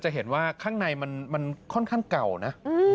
เห็นว่าข้างในมันค่อนข้างเก่านะ